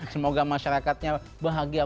semoga masyarakatnya bahagia